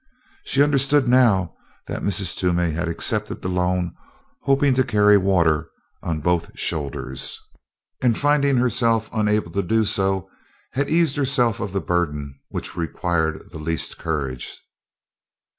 She understood now that Mrs. Toomey had accepted the loan hoping to carry water on both shoulders, and finding herself unable to do so, had eased herself of the burden which required the least courage.